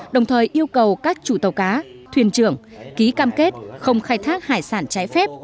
đồng thời yêu cầu các chủ tàu cá thuyền trưởng ký cam kết không khai thác hải sản trái phép